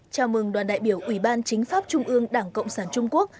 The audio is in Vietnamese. chào mừng đoàn đại biểu ủy ban chính pháp trung ương đảng cộng sản trung quốc